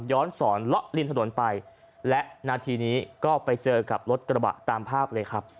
สอนเลาะริมถนนไปและนาทีนี้ก็ไปเจอกับรถกระบะตามภาพเลยครับ